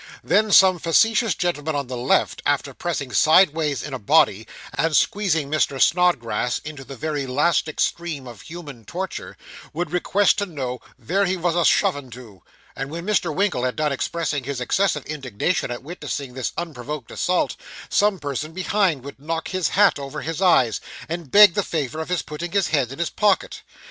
Then some facetious gentlemen on the left, after pressing sideways in a body, and squeezing Mr. Snodgrass into the very last extreme of human torture, would request to know 'vere he vos a shovin' to'; and when Mr. Winkle had done expressing his excessive indignation at witnessing this unprovoked assault, some person behind would knock his hat over his eyes, and beg the favour of his putting his head in his pocket.